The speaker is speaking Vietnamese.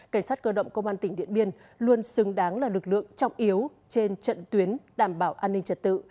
cảnh sát cơ động công an tỉnh điện biên luôn xứng đáng là lực lượng trọng yếu trên trận tuyến đảm bảo an ninh trật tự